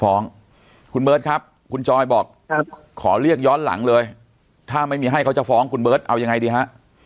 ฟ้องคุณเบิร์ตครับคุณจอยบอกขอเรียกย้อนหลังเลยถ้าไม่มีให้เขาจะฟ้องคุณเบิร์ตเอายังไงดีฮะ